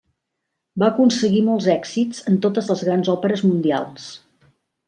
Va aconseguir molts èxits en totes les grans òperes mundials.